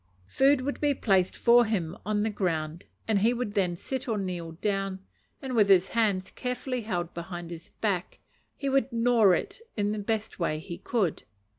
Food would be placed for him on the ground, and he would then sit or kneel down, and, with his hands carefully held behind his back, would gnaw it in the best way he could.